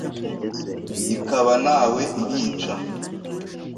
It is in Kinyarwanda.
ikaba ntawe irica.